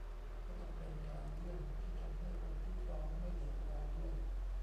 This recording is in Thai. ก็ต้องเป็นการเลื่อนที่ทำให้คนที่พร้อมไม่เดือดร้อนด้วย